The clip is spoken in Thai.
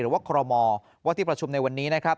หรือว่าคอรมอว่าที่ประชุมในวันนี้นะครับ